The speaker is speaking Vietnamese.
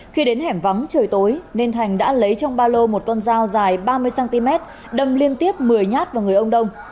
khi đến hẻm vắng trời tối nên thành đã lấy trong ba lô một con dao dài ba mươi cm đâm liên tiếp một mươi nhát vào người ông đông